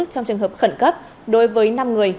trong trường hợp khẩn cấp đối với năm người